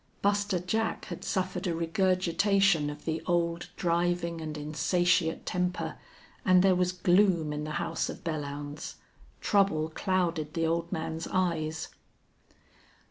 Buster Jack had suffered a regurgitation of the old driving and insatiate temper, and there was gloom in the house of Belllounds. Trouble clouded the old man's eyes.